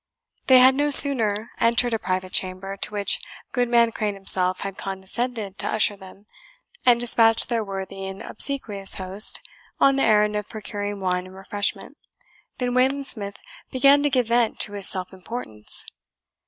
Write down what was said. They had no sooner entered a private chamber, to which Goodman Crane himself had condescended to usher them, and dispatched their worthy and obsequious host on the errand of procuring wine and refreshment, than Wayland Smith began to give vent to his self importance.